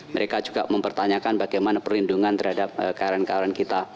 mereka juga mempertanyakan bagaimana perlindungan terhadap karyawan karyawan kita